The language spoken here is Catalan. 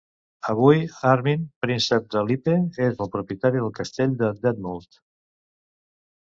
Avui, Armin, Príncep de Lippe, és el propietari del castell de Detmold.